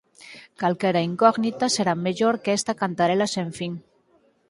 Calquera incógnita será mellor ca esta cantarela sen fin.